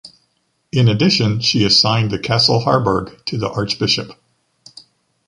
In addition she assigned the castle Harburg to the archbishop.